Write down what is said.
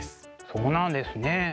そうなんですね。